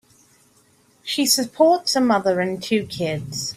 She supports a mother and two kids.